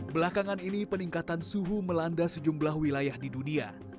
belakangan ini peningkatan suhu melanda sejumlah wilayah di dunia